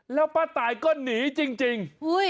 แล้วป้าตายก็หนีจริง